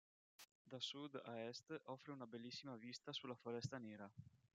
Da sud a est offre una bellissima vista sulla Foresta Nera.